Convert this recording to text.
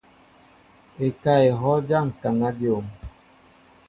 Ekáá ehɔʼ ja ŋkaŋa dyom.